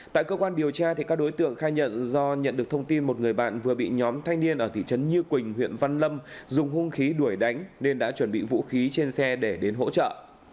tại cơ quan điều tra các đối tượng khai nhận do nhận được thông tin một người bạn vừa bị nhóm thanh niên ở thị trấn như quỳnh huyện văn lâm dùng hung khí đuổi đánh nên đã chuẩn bị vũ khí trên xe để đến hỗ trợ